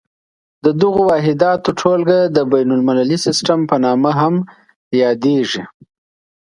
د دغو واحداتو ټولګه د بین المللي سیسټم په نامه هم یادیږي.